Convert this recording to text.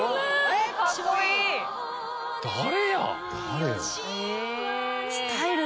誰や？